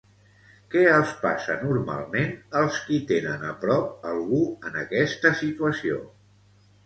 Què els passa normalment als qui tenen a prop algú en aquesta situació?